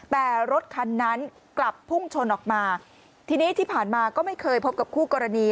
แต่รถคันนั้นกลับพุ่งชนออกมาทีนี้ที่ผ่านมาก็ไม่เคยพบกับคู่กรณี